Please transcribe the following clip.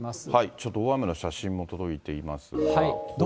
ちょっと大雨の写真も届いていますが。